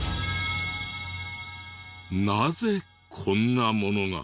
なぜこんなものが。